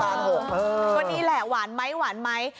ก็นี่แหละหวานไหมหวานไหม